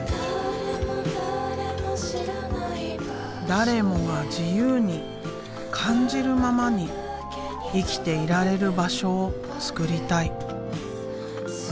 誰もが自由に感じるままに生きていられる場所を作りたい。